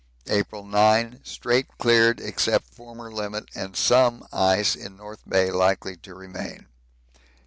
April 9. Strait cleared except former limit and some ice in North Bay likely to remain.